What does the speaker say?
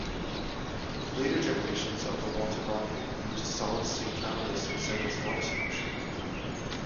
Later generations of the Walter Rocket used solid-state catalyst instead of its water solution.